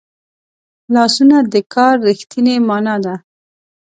لاسونه د کار رښتینې مانا ده